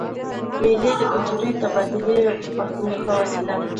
مېلې د کلتوري تبادلې او تفاهم یوه ښه وسیله ده.